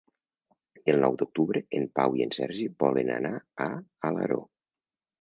El nou d'octubre en Pau i en Sergi volen anar a Alaró.